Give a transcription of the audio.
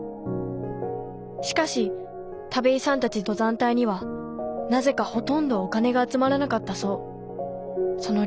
しかし田部井さんたち登山隊にはなぜかほとんどお金が集まらなかったそう。